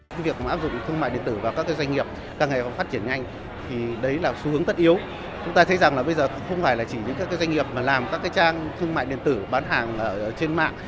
với việc áp dụng thương mại điện tử vào các doanh nghiệp các nghề phát triển nhanh